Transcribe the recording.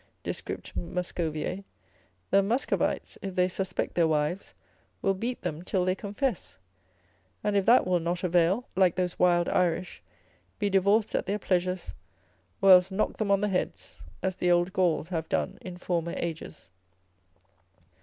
descript. Muscoviae, the Muscovites, if they suspect their wives, will beat them till they confess, and if that will not avail, like those wild Irish, be divorced at their pleasures, or else knock them on the heads, as the old Gauls have done in former ages.